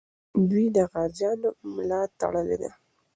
دوی د غازیانو ملا تړلې ده.